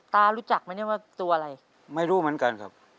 รู้จักไหมเนี่ยว่าตัวอะไรไม่รู้เหมือนกันครับ